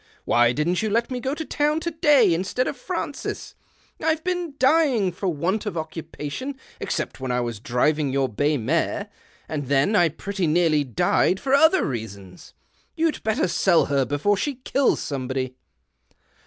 Why didn't you let me go to town to day instead of Francis ? I've been dying for want of occupation except when I was driving your bay mare, and then [ pretty nearly died for other reasons. You'd 3etter sell her before she kills somebody."